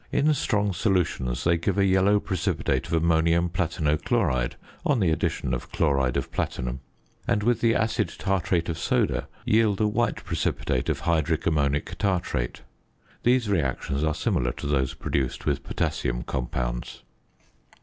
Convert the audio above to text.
In strong solutions they give a yellow precipitate of ammonium platino chloride on the addition of chloride of platinum; and with the acid tartrate of soda yield a white precipitate of hydric ammonic tartrate. These reactions are similar to those produced with potassium compounds.